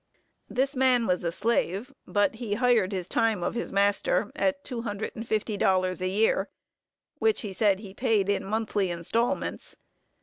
This man was a slave, but hired his time of his master at two hundred and fifty dollars a year, which he said he paid in monthly instalments.